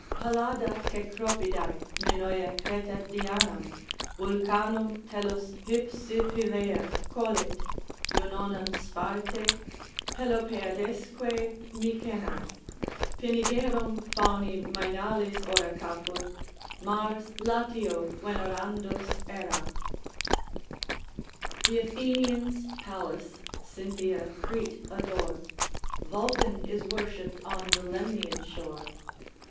Pallada Cecropidæ, Minola Creta Dianam, Vulcanum tellus Hypsipylea colit, Junonem Sparte, Pelopeladesque Mycenæ; Pinigerum Fauni Mænalis ora caput; Mars Latio venerandus. "Th' Athenians Pallas, Cynthia Crete adore, Vulcan is worshipped on the Lemnian shore.